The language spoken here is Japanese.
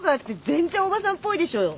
全然おばさんっぽいでしょう。